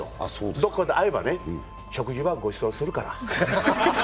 どこかで会えば食事はごちそうするから。